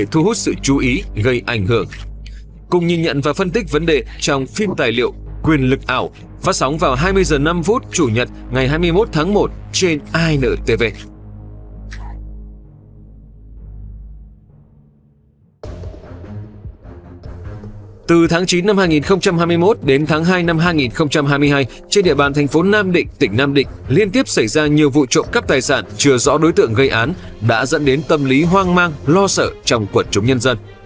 từ tháng chín năm hai nghìn hai mươi một đến tháng hai năm hai nghìn hai mươi hai trên địa bàn thành phố nam định tỉnh nam định liên tiếp xảy ra nhiều vụ trộm cắp tài sản chừa rõ đối tượng gây án đã dẫn đến tâm lý hoang mang lo sợ trong quận chống nhân dân